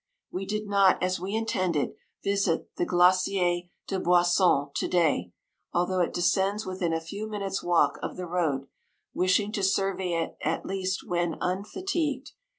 We did not, as we intended* visit the Glacier de Boisson to day, although it descends within a few minutes' walk of the road, wishing to survey it at least when unfatigued.